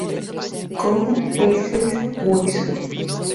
Come peces hueso.